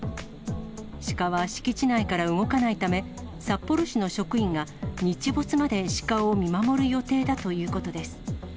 シカは敷地内から動かないため、札幌市の職員が日没までシカを見守る予定だということです。